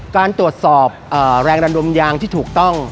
การตรวจสอบแรงดันดมยางที่ถูกต้อง